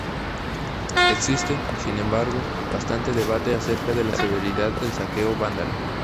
Existe, sin embargo, bastante debate acerca de la severidad del saqueo vándalo.